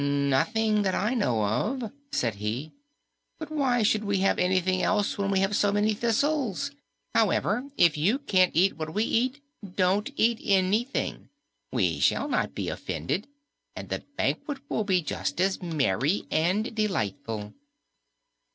"Nothing that I know of," said he. "But why should we have anything else when we have so many thistles? However, if you can't eat what we eat, don't eat anything. We shall not be offended, and the banquet will be just as merry and delightful."